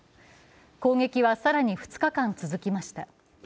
攻撃は更に２日間続きました。